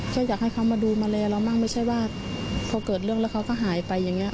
ก็อยากให้เขามาดูมาเลเรามั่งไม่ใช่ว่าพอเกิดเรื่องแล้วเขาก็หายไปอย่างนี้